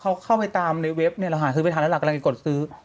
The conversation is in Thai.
เขาเข้าไปตามในเว็บเนี่ยเราหาซื้อไม่ทันแล้วเรากำลังไปกดซื้อ